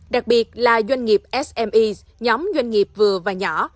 đặc biệt là doanh nghiệp sme nhóm doanh nghiệp vừa và nhỏ